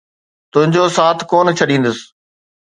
تنهنجو ساٿ ڪونہ ڇڏيندس.